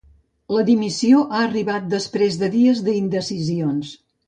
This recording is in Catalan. La dimissió ha arribat després de dies d’indecisions.